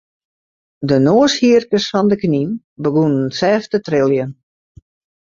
De noashierkes fan de knyn begûnen sêft te triljen.